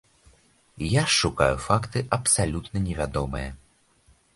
Я ж шукаю факты абсалютна невядомыя.